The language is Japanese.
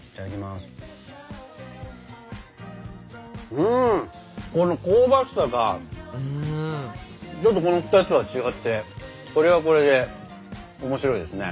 うんこの香ばしさがちょっとこの２つとは違ってこれはこれで面白いですね。